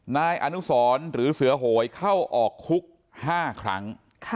นายอนุสรหรือเสือโหยเข้าออกคุก๕ครั้ง